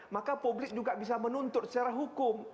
maka publik juga bisa menuntut secara hukum